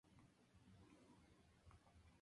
Su cuerpo es venerado en la Basílica del Rosario.